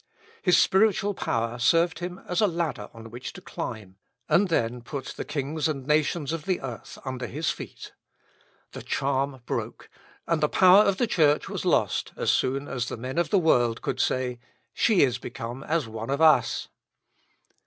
His spiritual power served him as a ladder on which to climb, and then put the kings and nations of the earth under his feet. The charm broke, and the power of the Church was lost as soon as the men of the world could say, "She is become as one of us."